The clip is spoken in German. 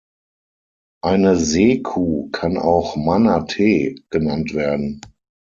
Eine Seekuh kann auch Manatee genannt werden.